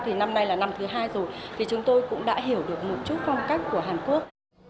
thì năm nay là năm thứ hai rồi thì chúng tôi cũng đã hiểu được một chút phong cách của hàn quốc